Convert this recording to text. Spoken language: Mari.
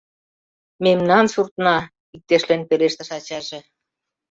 — Мемнан суртна! — иктешлен пелештыш ачаже.